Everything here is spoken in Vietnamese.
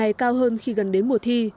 tỷ lệ này cao hơn khi gần đến mùa thi